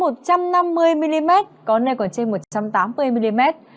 nền nhiệt tại đây là tầm năm mươi một trăm năm mươi mm có nơi còn trên một trăm tám mươi mm